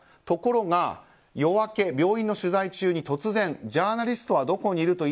ところが夜明け、病院の取材中に突然、ジャーナリストはどこにいる？